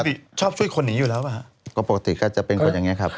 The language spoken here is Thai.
ปกติชอบช่วยคนหนีอยู่แล้วป่ะฮะก็ปกติก็จะเป็นคนอย่างเงี้ครับ